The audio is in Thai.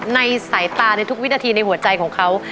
ในสายตาในทุกวินาทีในหัวใจของเขา